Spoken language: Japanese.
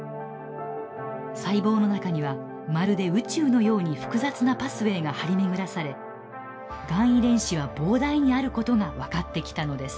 細胞の中にはまるで宇宙のように複雑なパスウェーが張り巡らされがん遺伝子は膨大にあることが分かってきたのです。